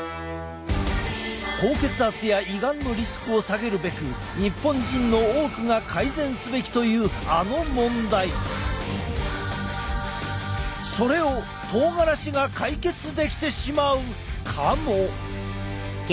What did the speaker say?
高血圧や胃がんのリスクを下げるべく日本人の多くが改善すべきというそれをとうがらしが解決できてしまうかも。